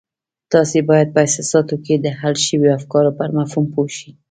تاسې بايد په احساساتو کې د حل شويو افکارو پر مفهوم پوه شئ.